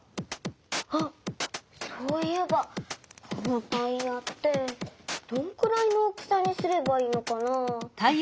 あっそういえばこのタイヤってどんくらいの大きさにすればいいのかな？